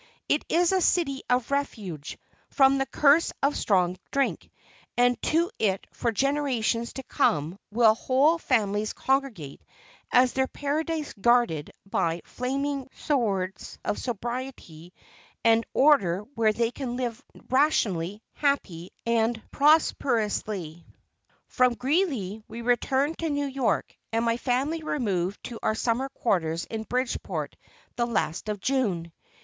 It is a "city of refuge" from the curse of strong drink; and to it for generations to come will whole families congregate as their paradise guarded by flaming swords of sobriety and order where they can live rationally, happily, and prosperously. From Greeley we returned to New York, and my family removed to our Summer quarters in Bridgeport the last of June.